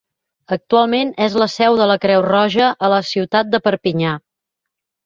Actualment és la seu de la Creu Roja a la ciutat de Perpinyà.